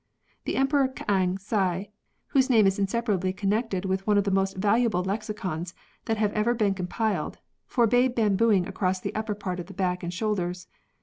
The Emperor K^ang Hsi, whose name is inseparably connected with one of the most valuable le:^icons that have ever been com piled, forbade bambooing across the upper part of the back and shoulders.